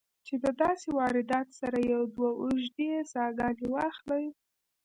چې د داسې واردات سره يو دوه اوږدې ساهګانې واخلې